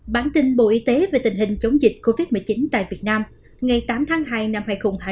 bản tin bộ y tế về tình hình chống dịch covid một mươi chín tại việt nam ngày tám tháng hai năm hai nghìn hai mươi